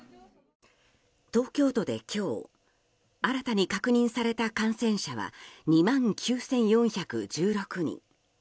東京都で今日新たに確認された感染者は２万９４１６人。